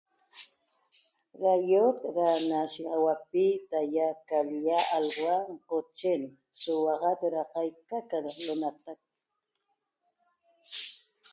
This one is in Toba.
Da iot na shiguiaxauapi da l'lia alhua se sheishet da doche eta isoxat so l'lia